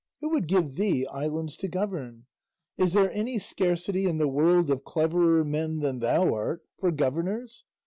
Who would give thee islands to govern? Is there any scarcity in the world of cleverer men than thou art for governors?